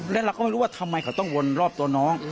และเราก็ไม่รู้ว่าทำไมเขาต้องวนรอบตัวน้อง